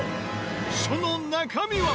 その中身は？